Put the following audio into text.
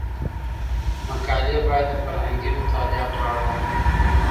مقالې باید د فرهنګي مطالعاتو اړوند وي.